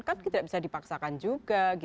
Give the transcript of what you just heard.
kan tidak bisa dipaksakan juga